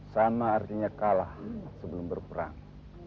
sama artinya kalah sebelum berperang